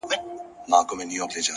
هر منزل د بل سفر پیل وي.